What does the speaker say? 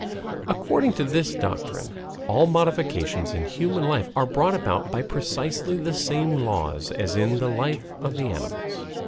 According to this doctrine all modifications in human life are brought about by precisely the same laws as in the life of the animals.